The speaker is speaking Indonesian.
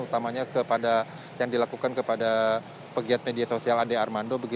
utamanya kepada yang dilakukan kepada pegiat media sosial ade armando